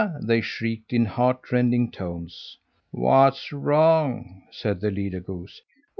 they shrieked in heart rending tones. "What's wrong?" said the leader goose.